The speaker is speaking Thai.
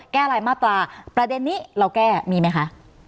แก้รายมาตราประเด็นนี้เราแก้มีไหมคะ